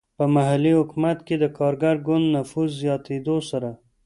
په محلي حکومت کې د کارګر ګوند نفوذ زیاتېدو سره.